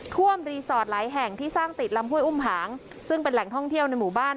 ท่วมรีสอร์ทหลายแห่งที่สร้างติดลำห้วยอุ้มหางซึ่งเป็นแหล่งท่องเที่ยวในหมู่บ้าน